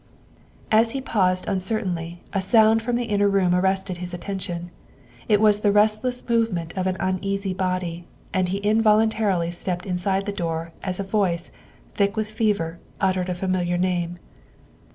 As he paused uncertainly a sound from the inner room arrested his attention. It was the restless move ment of an uneasy body, and he involuntarily stepped inside the door as a voice, thick with fever, uttered a familiar name.